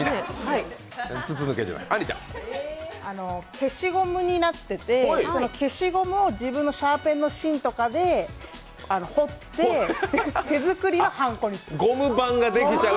消しゴムになってて消しゴムを自分のシャーペンの芯とかで彫って，手作りのはんこにする？